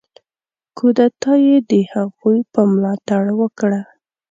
کودتا یې د هغوی په ملاتړ وکړه.